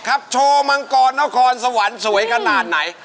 ครับโชว์มังกรและครสวรรค์สวยขนาดไหน